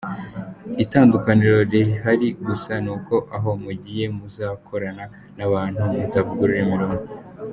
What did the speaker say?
Itandukaniro rihari gusa ni uko aho mugiye muzakorana n’abantu mutavuga ururimi rumwe.